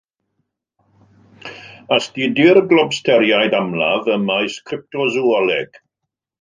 Astudir globsteriaid amlaf ym maes cryptoswoleg.